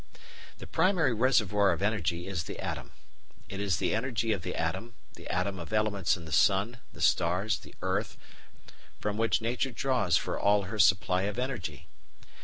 The primary reservoir of energy is the atom; it is the energy of the atom, the atom of elements in the sun, the stars, the earth, from which nature draws for all her supply of energy.